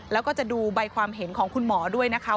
แล้วก็จะดูใบความเห็นของคุณหมอด้วยนะคะ